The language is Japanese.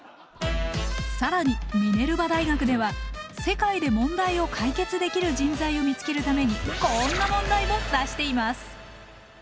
更にミネルバ大学では世界で問題を解決できる人材を見つけるためにこんな問題も出しています！